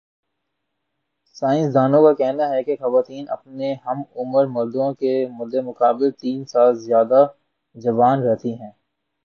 science دانوں کا کہنا ہے کہ خواتین اپنے ہم عمر مردوں کے مدمقابل تین سال زیادہ جوان رہتی ہے